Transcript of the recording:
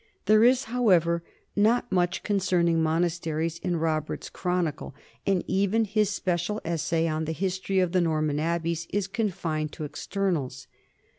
There is, however, not much concerning monasteries in Robert's chronicle, and even his special essay on the history of the Norman abbeys is confined to externals.